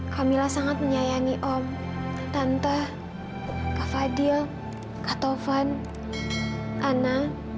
kamila sangat menyayangi om tante kak fadil kak tovan ana